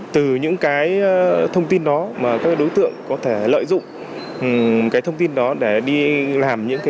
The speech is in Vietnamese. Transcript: từ những cái thông tin đó mà các đối tượng có thể lợi dụng cái thông tin đó để đi làm những cái